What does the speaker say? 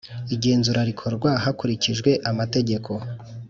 Igenzura rikorwa hakurikijwe amategeko